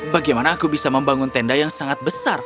bagaimana aku bisa membangun tenda yang sangat besar